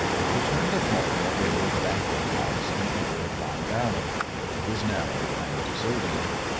We turn the corner of the old Banquet house and enter a blind alley it is narrow and deserted.